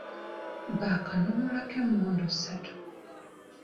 Baakanunulako emmundu ssatu.